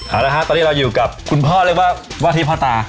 เอาละฮะตอนนี้เราอยู่กับคุณพ่อเรียกว่าวาทิพ่อตา